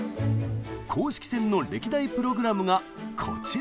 公式戦の歴代プログラムがこちらです。